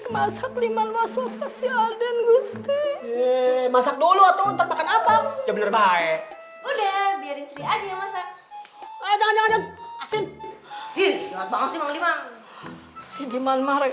masak dulu aduh ntar makan apa